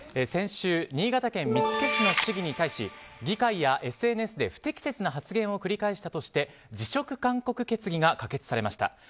先週、新潟県見附市の市議に対し議会やＳＮＳで不適切な発言を繰り返したとして辞職勧告決議が可決されました。